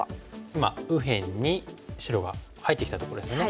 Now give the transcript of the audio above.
今右辺に白が入ってきたところですね。